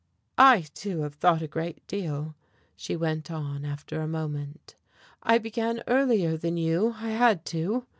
"I, too, have thought a great deal," she went on, after a moment. "I began earlier than you, I had to."